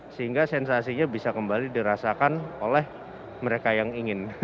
sehingga sensasinya bisa kembali dirasakan oleh mereka yang ingin